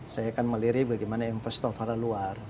saya akan melirik bagaimana investor pada luar